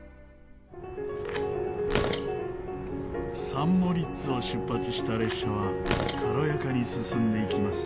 サン・モリッツを出発した列車は軽やかに進んでいきます。